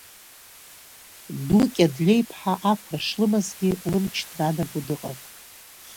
Дукь Адлеиԥҳа ақәра шлымазгьы, лымч днанаго дыҟан.